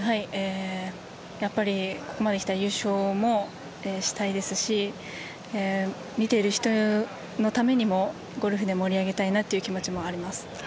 やっぱりここまで来たら優勝もしたいですし見ている人のためにもゴルフで盛り上げたいなという気持ちもあります。